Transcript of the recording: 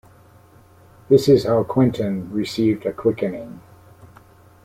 This is how Quentin received a Quickening.